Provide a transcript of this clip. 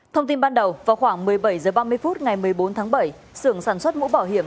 thông tin ban đầu vào khoảng một mươi bảy h ba mươi phút ngày một mươi bốn tháng bảy sưởng sản xuất mũ bảo hiểm